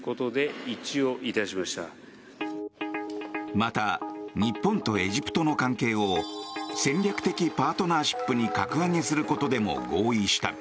また、日本とエジプトの関係を戦略的パートナーシップに格上げすることでも合意した。